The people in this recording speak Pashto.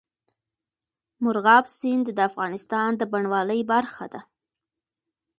مورغاب سیند د افغانستان د بڼوالۍ برخه ده.